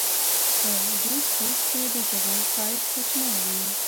په بیس کورس کې د جغل سایز کوچنی وي